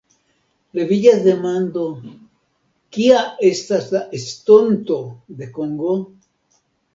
Leviĝas demando: kia estas la estonto de Kongo?